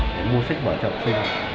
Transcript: để mua sách bỏ cho học sinh